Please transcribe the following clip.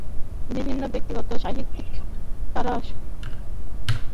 বিশিষ্ট ব্যক্তিত্ব—সাহিত্যিক তারাশঙ্কর বন্দ্যোপাধ্যায়, সম্রাট হেইলি সেলাসি, রাজনীতিক বাল গঙ্গাধর তিলক।